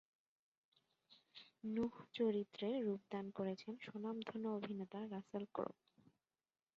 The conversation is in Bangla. নূহ চরিত্রে রূপদান করেছেন স্বনামধন্য অভিনেতা রাসেল ক্রো।